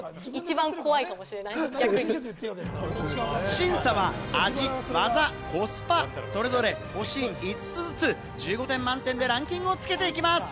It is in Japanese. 審査は味、ワザ、コスパ、それぞれ星５つずつ１５点満点でランキングをつけていきます。